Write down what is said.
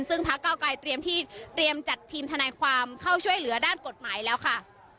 ซึ่งพระเก้าไกลเตรียมจัดทีมทนายความเข้าช่วยเหลือด้านกฎหมายแล้วค่ะ